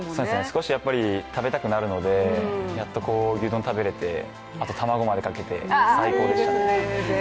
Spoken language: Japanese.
少し、食べたくなるので、やっと牛丼食べれて、あと卵までかけて、最高でしたね。